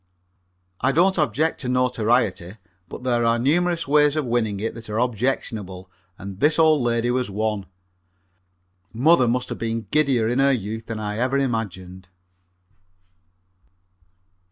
I don't object to notoriety, but there are numerous ways of winning it that are objectionable, and this old lady was one. Mother must have been giddier in her youth than I ever imagined.